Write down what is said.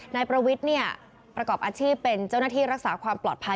นายประวิทย์ประกอบอาชีพเป็นเจ้าหน้าที่รักษาความปลอดภัย